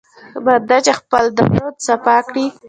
بنده چې خپل درون صفا کړي.